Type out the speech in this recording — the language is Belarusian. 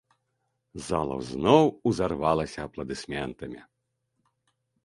Зала зноў узарвалася апладысментамі.